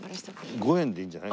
５円でいいんじゃない？